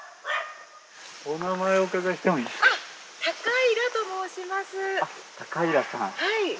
はい。